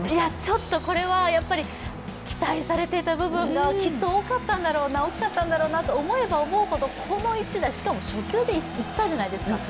ちょっとこれは期待されていた部分がきっと大きかったんだろうなと思えば思うほどこの一打、しかも初球でいったじゃないですか。